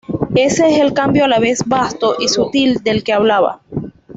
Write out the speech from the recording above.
Ese es el cambio a la vez vasto y sutil del que hablaba.